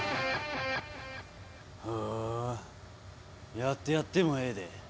ほうやってやってもええで。